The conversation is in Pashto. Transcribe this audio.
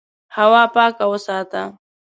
هوا پاکه وساته.